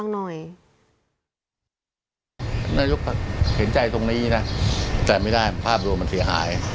นายกเห็นใจตรงนี้นะแต่ไม่ได้ภาพรวมมันเสียหาย